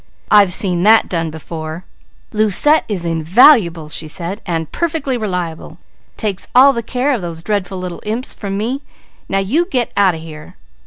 I've seen that done before. Lucette is invaluable,' said she, 'and perfectly reliable. Takes all the care of those dreadful little imps from me. Now you get out of here.'